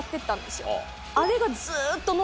あれが。